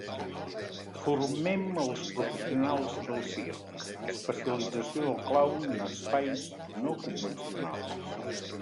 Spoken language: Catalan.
Formem els professionals del circ: especialització del clown en espais no convencionals.